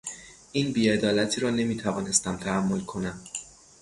این بیعدالتی را نمیتوانستم تحمل کنم.